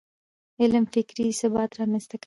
علم فکري ثبات رامنځته کوي.